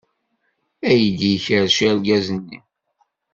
Aydi ikerrec argaz-nni.